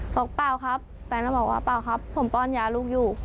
เปล่าครับแฟนก็บอกว่าเปล่าครับผมป้อนยาลูกอยู่